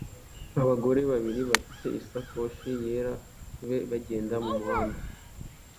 Abagore babiri bafite isakoshi yera bagenda mumuhanda